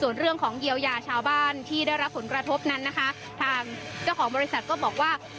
น้ำมันที่ถูกไฟไหม้ในครั้งนี้เป็นของที่เหลือจากเหตุไฟไหม้เมื่อเดือนเมษายนที่ผ่านมาค่ะ